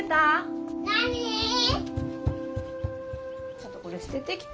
ちょっとこれすててきて。